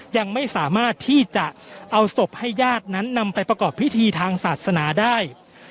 ยังไม่สามารถที่จะเอาศพให้ญาตินั้นนำไปประกอบพิธีทางศาสนาได้